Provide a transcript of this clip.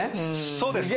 そうですね。